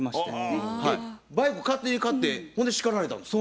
えっバイク勝手に買ってほんで叱られたんですか？